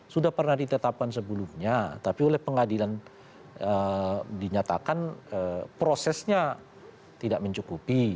sudah pernah ditetapkan sebelumnya tapi oleh pengadilan dinyatakan prosesnya tidak mencukupi